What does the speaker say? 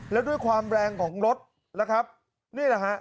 แล้วด้วยความแรงของรถนะครับนี่แหละฮะ